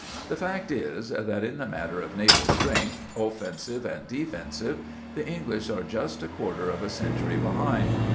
The fact is, that in the matter of naval strength, offensive and defensive, the English are just a quarter of a century behind.